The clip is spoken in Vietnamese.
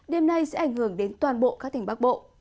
đêm nay sẽ ảnh hưởng đến toàn bộ các tỉnh bắc bộ